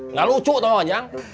nggak lucu tau ujang